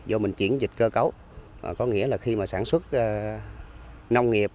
do mình chuyển dịch cơ cấu có nghĩa là khi mà sản xuất nông nghiệp